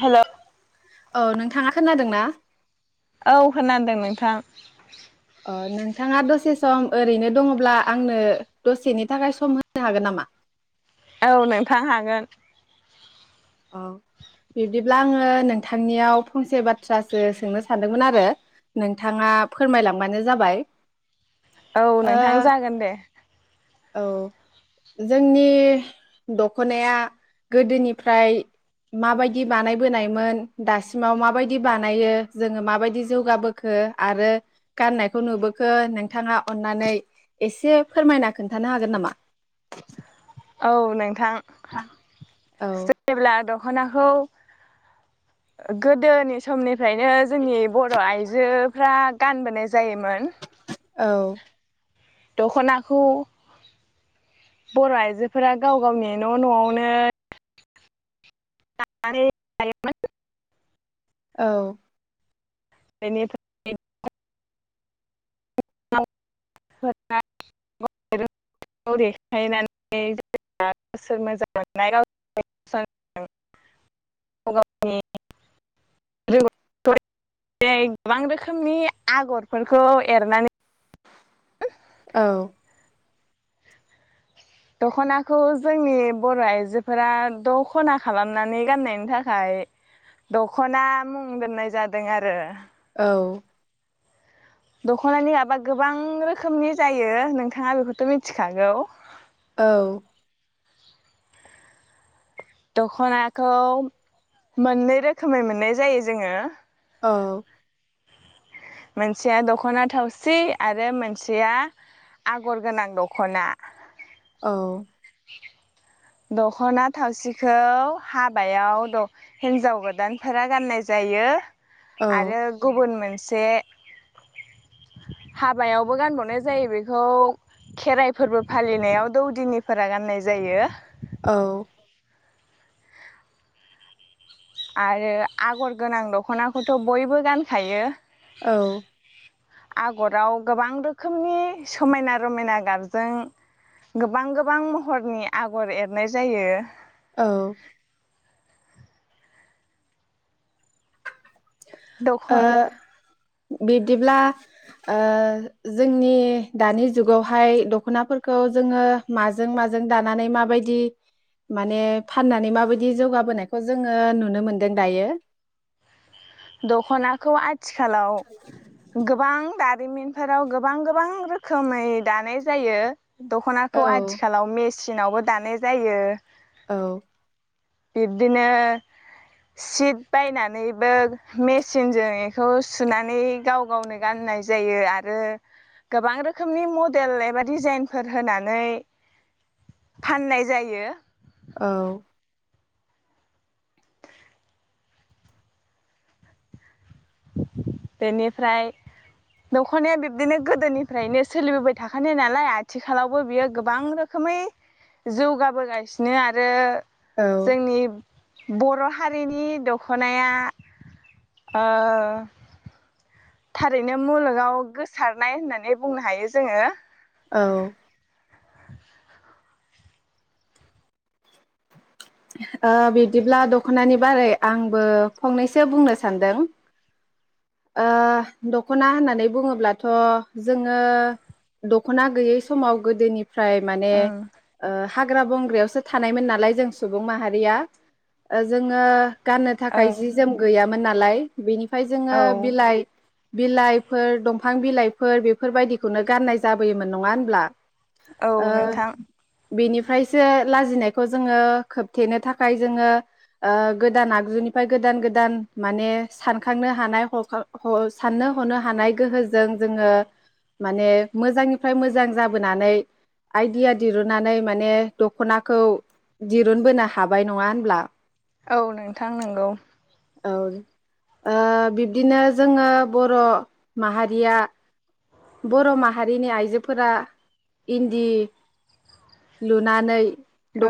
हेल' थाङा खोनादों ना? औ खोनादों नोंथां ओ नोंथाङा दसे सम ओरैनो दङब्ला आंनो दसेनि थाखाय सम होनो हागोन नामा? औ नोंथां हागोन औ बिब्दिब्ला आङो नोंथांनियाव फंसे बाथ्रासो सोंनो सानदोंमोन आरो नोंथाङा फोरमायलांबानो जाबाय औ ओ नोंथां जागोन दे औ जोंनि दख'नाया गोदोनिफ्राय माबायदि बानायबोनायमोन दासिमाव माबायदि बानायो जोङो माबायदि जौगाबोखो आरो गाननायखौ नुबोखो नोंथाङा अन्नानै एसे फोरमायना खोन्थानो हागोन नामा? औ नोंथां [unintelligible] औ जेब्ला दख' नाखौ गोदोनि समनिफ्रायनो जोंनि बर' आइजोफोरा गानबोनाय जायोमोन। औ दख'नाखौ बर' आइजोफोरा गाव गावनि न' न'आवनो [unintelligible] औ [unintelligible] [unintelligible] [unintelligible] गोबां रोखोमनि आगरफोरखौ एरनानै औ दख'नाखौ जोंनि बर' आइजोफोरा दख'ना खालामनानै गाननायनि थाखाय दख'ना मुं दोननाय जादों आरो औ दख'नानि गाबा गोबां रोखोमनि जायो नोंथाङा बेखौथ' मिन्थिखागौ औ दखनाखौ मोननै रोखोमै मोननाय जायो जोङो औ मोनसेया दख'ना थावसि आरो मोनसेया आगर गोनां दख'ना औ [inaudible] दख'ना थावसिखौ हाबायाव द हिन्जाव गोदानफोरा गाननाय जायो औ आरो गुबुन मोनसे एसे हाबायावबो गानबावनाय जायो बेखौ खेराइ फोरबो फालिनायाव दौदिनिफोरा गाननाय जायो औ आरो आगर गोनां दख'नाखौथ' बयबो गानखायो औ आगराव गोबां रोखोमनि समायना रमायना गाबजों गोबां गोबां महरनि आगर एरनाय जायो औ दख बिब्दिब्ला जोंनि दानि जुगावहाय दख'नाफोरखौ जोङो माजों माजों दानानै माबायदि माने फाननानै माबायदि जौगाबोनायखौ जोङो नुनो मोनदों दायो दख'नाखौ आ आथिखालाव गोबां दा जारिमिनफोराव गोबां गोबां रोखोमै दानाय जायो औ दख'नाखौ आथिखालाव मे सिनावबो दानाय जायो औ बिब्दिनो सिट बायनानैबो मेचिनजों बेखौ सुनानै गाव गावनो गाननाय जायो आरो गोबां रोखोमनि मडेल एबा डिजाइनफोर होनानै फाननाय जायो औ बेनिफ्राय दख'नाया बिब्दिनो गोदोनिफ्रायनो सोलिबोबाय थाखानाय नालाय आथिखालावबो बियो गोबां रोखोमै जौगाबोगासिनो आरो औ जोंनि बर' हारिनि दख'नाया [unintelligible] थारैनो मुलुगाव गोसारनाय होननानै बुंनो हायो जोङो औ बिब्दिब्ला दख'नानि बारै आंबो फंनैसो बुंनो सानदों दख'ना होननानै बुङोब्लाथ' जोङो दख'ना गैयै समाव गोदोनि फ्राय माने ओं ओ बंग्रायावसो थानायमोन नालाय जों सुबुं माहारि रिया जोङो गाननो थाखाय ओं जि जोम गैया मोन नालाय बिनिफ्राय जोङो औ बिलाइफोर दंफां बिलाइफोर बेफोरबायदिखौनो गाननाय जाबोयोमोन नङा होनब्ला? औ ओ नोंथां। बेनिफ्रायसो लाजिनायखौ जोङो खोबथेनो थाखाय जोङो ओ गोदान आगजुनिफ्राय गोदान गोदान माने सानखांनो हानाय ह साननो हनो हानाय गोहोजों जोङो माने मोजांनिफ्राय मोजां जाबोनानै आइडिया दिरुननानै माने दख'नाखौ दिरुनबोनो हाबाय नङा होनब्ला? औ नोंथां नंगौ। औ औ बिब्दिनो जोङो बर' माहारिया बर' माहारिनि आइजोफोरा इन्दि लुनानै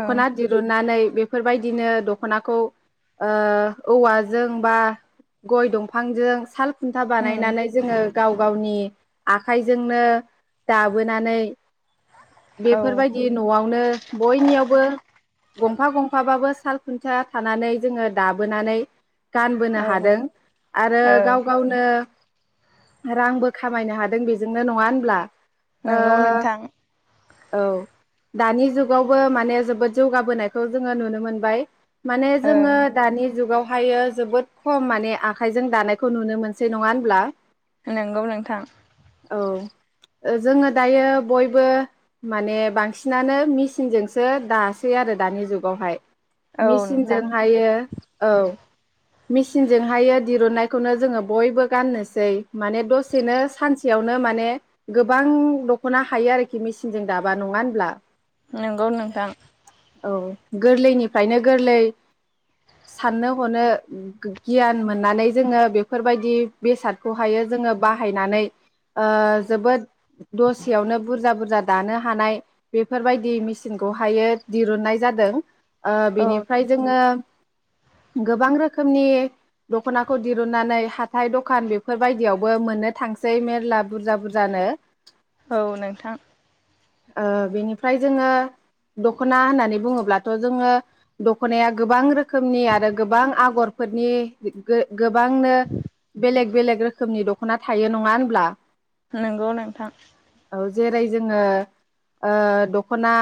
ओं दिरुननानै बेफोरबायदिनो दख'नाखौ ओ औवाजों बा गय दंफांजों साल खुन्था उम बानायनानै जोङो गाव गावनि आखाइजोंनो दाबोनानै औ बेफोरबायदि न'आवनो बयनियावबो गंफा गंफाबाबो साल खुन्थिया थानानै जोङो दाबोनो नानै गानबोनो औ हादों आरो गाव ओं गावनो रांबो खामायनो हादों बेजोंनो नङा होनब्ला? नंगौ ओ नोंथां। औ दानि जुगावबो माने जोबोद जौगाबोनायखौ जोङो नुनो मोनबाय। माने ओं जोङो दानि जुगावहायो जोबोद खम माने आखाइजों दानायखौ नुनो मोनसै नङा होनब्ला? नंगौ नोंथां। औ जोङो दायो बयबो माने बांसिनानो मेसिनजोंसो दासै आरो दानि जुगावहाय। औ नोंथां मेचिनजों हायो। औ मेचिनजोंहायो दिरुननायखौनो जोङो बयबो गाननोसै माने दसेनो सानसेयावनो माने गोबां दख'ना हायो आरोखि मेचिनजों दाबा नङा होनब्ला? नंगौ नोंथां। औ गोरलैनिफ्रायनो गोरलै साननो हनो गियान मोननानै जोङो बेफोरबायदि बेसादखौहायो जोङो बाहायनानै ओ जोबोद दसेयावनो बुरजा बुरज जा दानो हानाय बेफोरबायदि मेचिनखौहायो दिरुननाय जादों। ओ औ बिनिफ्राय जोङो गोबां रोखोमनि दख'नाखौ दिरुननानै हाथाय दखान बेफोरबायदियावबो मोननो थांसै मेर्ला बुरजा बुरजानो। औ नोंथां। ओ बेनिफ्राय जोङो दख'ना होननानै बुङोब्लाथ' जोङो दख'नाया गोबां रोखो खोमनि आरो गोबां आगर फोरनि गो गोबांनो बेलेग बेलेग रोखोमनि द दख'ना थायो नङा होनब्ला नंगौ नोंथां औ जेरै जोङो ओ दखना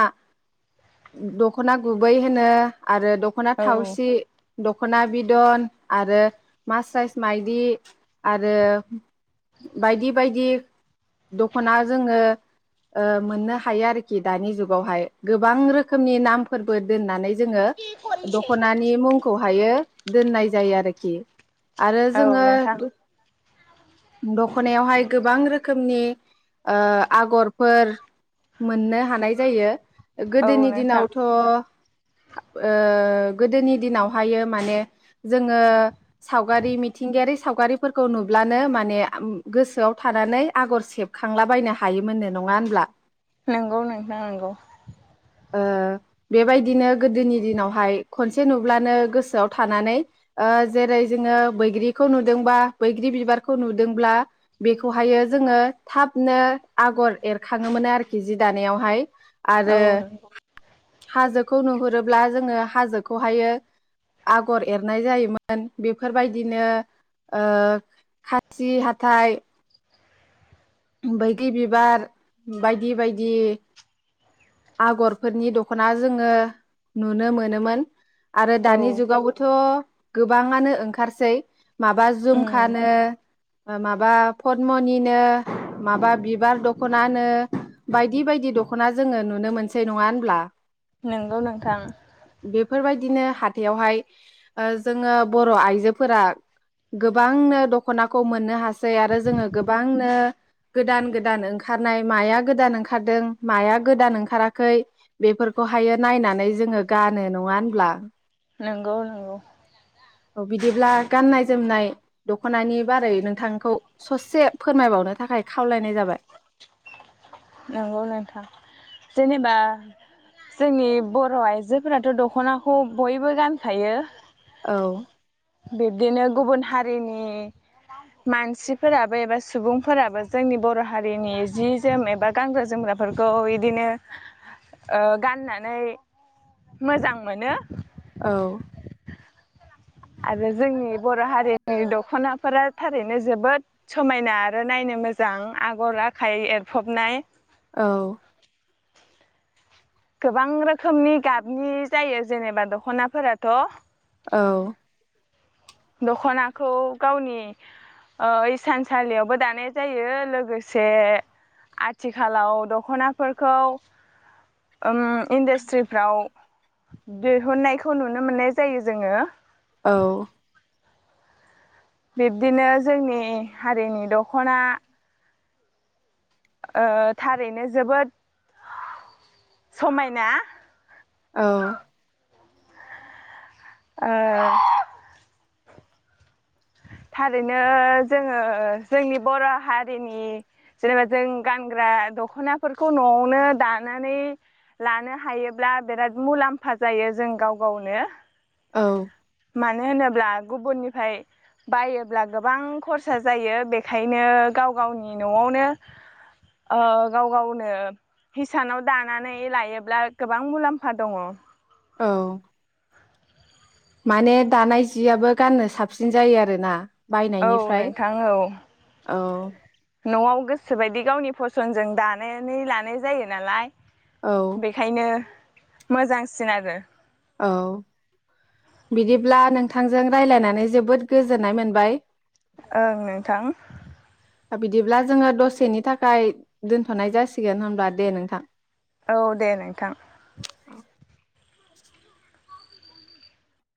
दखना गुबै होनो आरो दखना औ थावसि दखना बिदन आरो मास साइस मायदि आरो बायदि बायदि दख'ना जोङो ओ मोननो हायो आरोखि दानि जुगावहाय गोबां रोखोमनि नामफोरबो दोननानै जोङो दख'नानि मुंखौ हायो दोननाय जायो आरोखि आरो औ जोङो नोंथां दखनायावहाय गोबां रोखोमनि ओ आगरफोर मोननो हानाय जायो। औ गोदोनि नोंथां दिनावथ' आ ओ ओ गोदोनि दिनावहायो माने जोङो सावगारि मिथिंगायारि सावगारिफोरखौ नुब्लानो माने गोसोआव थानानै आगर सेबखांलाबायनो हायोमोननो नङा होनब्ला नोंगौ नोंथां नोंगौ ओ बेबायदिनो गोदोनि दिनावहाय खनसे नुब्लानो गोसोआव थानानै ओ जेरै जोङो बैग्रिखौ नुदोंबा बैग्रि बिबारखौ नुदोंब्ला बेखौहायो जोङो थाबनो आगर एरखाङोमोनो आरोखि जि दानायावहाय औ आरो नोंगौ हाजोखौ नुहुरोब्ला जोङो हाजो बेखौहायो आगर एरनाय जायोमोन बेफोरबायदिनो ओ खाथि हाथाइ बैग्रि बिबार बायदि बायदि आगरफोरनि दख'ना जोङो नुनो मोनोमोन आरो औ दानि जुगावबोथ गोबाङानो ओंखारसै माबा उम जुमखानो माबा पदमनिनो माबा बिबार दख'नानो बायदि बायदि दख'ना जोङो नुनो मोनसै नङा होनब्ला नोंगौ नोंथां बेफोरबायदिनो हाथायावहाय ओ जोङो बर' आइजोफोरा गोबांनो दख'नाखौ मोननो हा जै आरो जोङो गोबांनो गोदान गोदान ओंखारनाय माया गोदान ओंखारदों माया गोदान ओंखाराखै बेफोरखौहायो नायनानै जोङो गानो नङा होनब्ला नोंगौ नोंगौ औ बिदिब्ला गाननाय जोमनाय दख'नानि बारै नोंथांखौ ससे फोरमायबावनो थाखाय खावलायनाय जाबाय नंगौ नोंथां जेनेबा जोंनि बर' आइजोफोराथ' दख'नाखौ बयबो गानखायो औ बिब्दिनो गुबुन हारिनि मानसिफोराबो एबा सुबुंफोराबो जोंनि बर' हारिनि जि जोम एबा गानग्रा जोमग्राफोरखौ इदिनो ओ गाननानै मोजां मोनो औ आरो जोंनि बर' हारिनि दख'नाफोरा थारैनो जोबोद समायना आरो नायनो मोजां आगर आखाइ एरफबनाय औ गोबां रोखोमनि गाबनि जायो जेनेबा दख'नाफोराथ औ दख'नाखौ गावनि ओ इसानसालियावबो दानाय जायो लोगोसे आथिखालाव दख'नाफोरखौ उम इन्डास्ट्रिफ्राव दिहुननायखौ नुनो मोननाय जायो जोङो। औ बिब्दिनो जोंनि हारिनि दख'ना ओ थारैनो जोबोद समायना औ ओ [unintelligible] थारैनो जोङो जोंनि बर' हारिनि जेनेबा जों गानग्रा दखनाफोरखौ न'आवनो दानानै लानो हायोब्ला बिराद मुलाम्फा जायो जों गाव गावनो। औ मानो होनोब्ला गुबुननिफाय बायोब्ला गोबां खरसा जायो बेखायनो गाव गावनि नआवनो ओ गाव गावनो हिसानाव दानानै लायोब्ला गोबां मुलाम्फा दङ। औ माने दानाय जियाबो गाननो साबसिन जायो आरोना। औ बायनायनिफ्राय नोंथां औ औ नआव गोसोबायदि गावनि फसनजों दानानै लानाय जायो नालाय औ बेखायनो मोजांसिन आरो। औ बिदिब्ला नोंथांजों रायलायनानै जोबोद गोजोननाय मोनबाय। ओं नोंथां बिदिब्ला जोङो दसेनि थाखाय दोनथनाय जासिगोन होनबा दे नोंथां। औ दे नोंथां। औ